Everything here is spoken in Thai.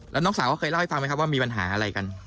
แล้วน้องสาวเขาเคยเล่าให้ฟังไหมครับว่ามีปัญหาอะไรกัน